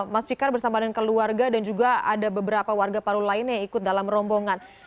mas fikar bersama dengan keluarga dan juga ada beberapa warga paru lainnya yang ikut dalam rombongan